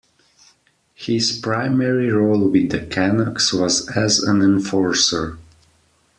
His primary role with the Canucks was as an enforcer.